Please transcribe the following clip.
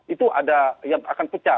itu ada yang akan pecah